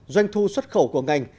doanh thu xuất khẩu của ngành